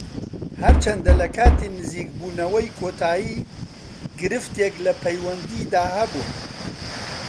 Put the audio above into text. هەرچەندە لە کاتی نزیکبوونەوەی کۆتایی گرفتێک لە پەیوەندیدا هەبوو